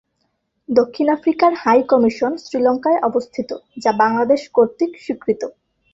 দক্ষিণ আফ্রিকার high commission শ্রীলঙ্কায় অবস্থিত, যা বাংলাদেশ কর্তৃক স্বীকৃত।